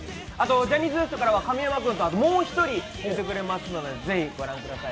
ジャニーズＷＥＳＴから神山君ともう一人来てくれますのでぜひ御覧ください。